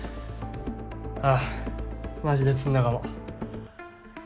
ああマジで詰んだかも。